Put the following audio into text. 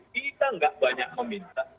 kita tidak banyak meminta